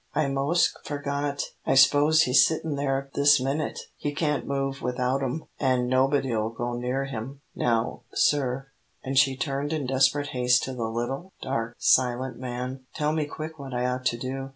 "I mos' forgot. I s'pose he's sittin' there this minute. He can't move without 'em, an' nobody'll go near him. Now, sir," and she turned in desperate haste to the little, dark, silent man, "tell me quick what I ought to do."